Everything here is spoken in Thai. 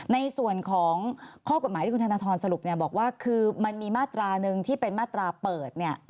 ในส่วนของข้อกฎหมายที่คุณธนทรสรุปบอกว่าคือมันมีมาตราหนึ่งที่เป็นมาตราเปิด